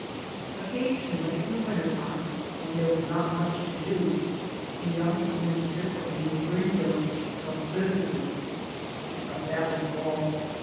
Occasionally in the winter time, when there was not much to do, a young minister from a neigh boring village held services, but that was all.